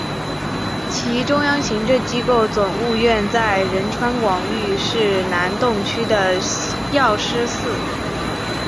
其中央行政机构总务院在仁川广域市南洞区的药师寺。